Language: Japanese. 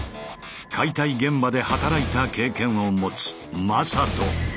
解体現場で働いた経験を持つ魔裟斗。